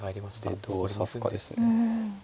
でどう指すかですね。